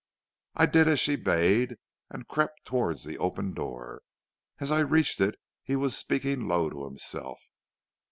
"I did as she bade, and crept towards the open door. As I reached it he was speaking low to himself.